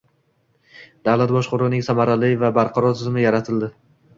davlat boshqaruvining samarali va barqaror tizimi yaratildi.